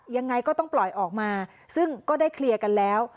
ยังไงก็ต้องปล่อยออกมาซึ่งก็ได้เคลียร์กันแล้ว